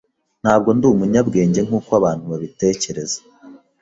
Ntabwo ndi umunyabwenge nkuko abantu babitekereza.